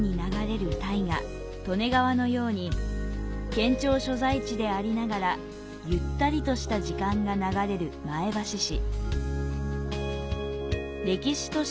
県庁所在地でありながら、ゆったりとした時間が流れる前橋市。